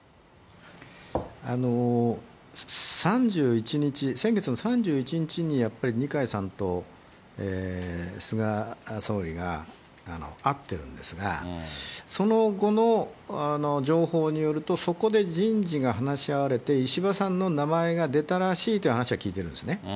あの、３１日、先月の３１日に、やっぱり二階さんと菅総理が会ってるんですが、その後の情報によると、そこで人事が話し合われて、石破さんの名前が出たらしいっていう話は聞いてるんですね。